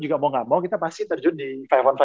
juga mau gak mau kita pasti terjun di lima on lima